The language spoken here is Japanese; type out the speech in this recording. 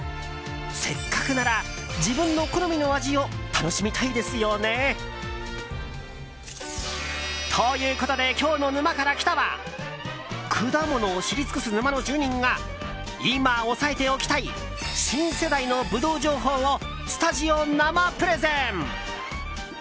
せっかくなら、自分の好みの味を楽しみたいですよね。ということで今日の「沼から来た。」は果物を知り尽くす沼の住人が今、押さえておきたい新世代のブドウ情報をスタジオ生プレゼン！